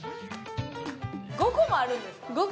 ５個もあるんですか？